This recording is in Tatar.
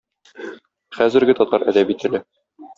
Хәзерге татар әдәби теле.